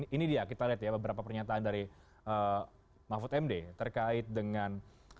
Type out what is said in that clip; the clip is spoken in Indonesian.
ini dia kita lihat ya beberapa pernyataan dari mahfud md terkait dengan